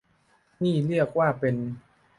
นี่เรียกว่าเป็น